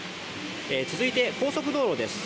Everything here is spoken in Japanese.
続いて高速道路です。